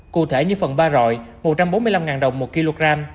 cụ thể như phần ba rọi một trăm bốn mươi năm đồng một kg